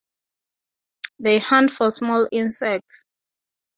They hunt for small insects.